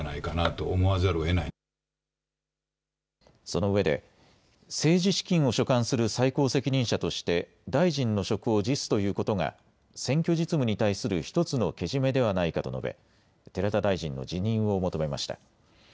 そのうえで政治資金を所管する最高責任者として大臣の職を辞すということが選挙実務に対する１つのけじめではないかと述べ寺田大臣の辞任を求めました。